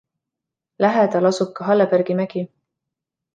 Lähedal asub ka Hallebergi mägi.